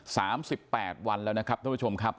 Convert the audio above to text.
สามสิบแปดวันแล้วนะครับท่านผู้ชมครับ